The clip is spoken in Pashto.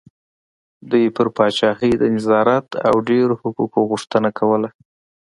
دوی پر پاچاهۍ د نظارت او ډېرو حقوقو غوښتنه کوله.